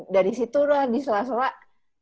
dari situ loh diselah selah